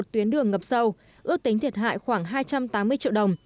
một mươi một tuyến đường ngập sâu ước tính thiệt hại khoảng hai trăm tám mươi triệu đồng